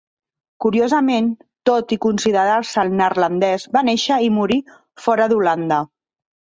Curiosament, tot i considerar-se'l neerlandès, va néixer i morí fora d'Holanda.